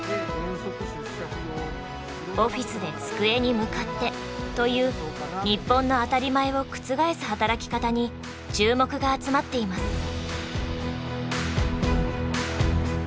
オフィスで机に向かってという日本の当たり前を覆す働き方に注目が集まっています。